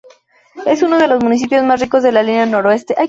Es uno de los municipios más ricos de la Línea Noroeste.